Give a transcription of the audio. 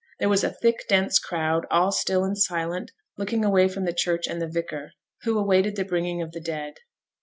There was a thick, dense crowd, all still and silent, looking away from the church and the vicar, who awaited the bringing of the dead.